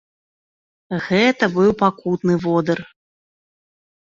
Гэта быў пакутны водыр!